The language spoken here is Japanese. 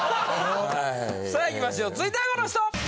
さあいきましょう続いてはこの人！